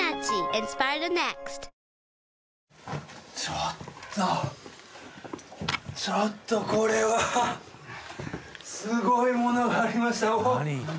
ちょっとちょっとこれはすごいものがありましたよ